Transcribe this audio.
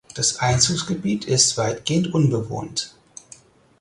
Das Einzugsgebiet ist weitgehend unbewohnt.